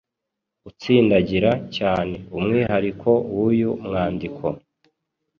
utsindagira cyane umwihariko w’uyu mwandiko